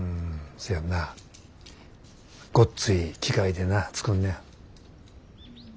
せやなごっつい機械でな作んねや。